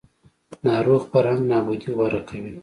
ناروغ فرهنګ نابودي غوره کوي